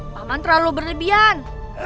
paman terlalu berlebihan